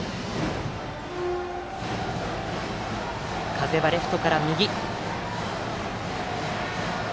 風はレフトから右。